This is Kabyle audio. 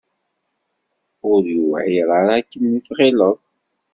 Ur yuɛir ara akken i tɣileḍ.